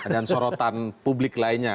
dan sorotan publik lainnya